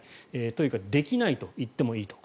というかできないといってもいいと。